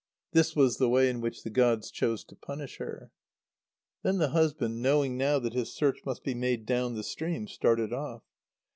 This was the way in which the gods chose to punish her. Then the husband, knowing now that his search must be made down the stream, started off.